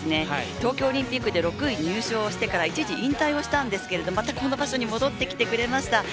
東京オリンピックで６位入賞してから一時引退しましたがまたこの場所に戻ってきてくれました。